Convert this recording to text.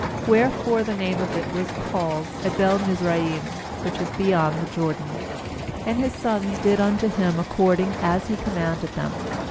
Wherefore the name of it was called Abel mizraim, which is beyond the Jordan. 12And his sons did unto him according as he commanded them.